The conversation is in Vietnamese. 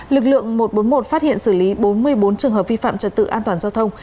lực lượng một trăm bốn mươi một phát hiện xử lý bốn mươi bốn trường hợp vi phạm trật tự an toàn giao thông